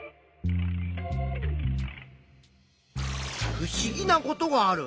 ふしぎなことがある。